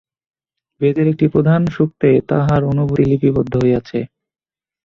বেদের একটি প্রধান সূক্তে তাঁহার অনুভূতি লিপিবদ্ধ হইয়াছে।